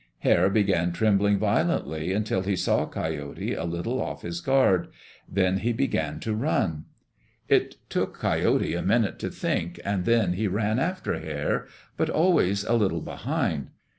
Hare began trembling violently until he saw Coyote a little off his guard, then he began to run. It took Coyote a minute to think and then he ran after Hare, but always a little behind.